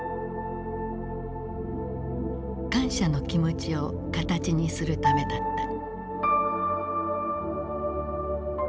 感謝の気持ちを形にするためだった。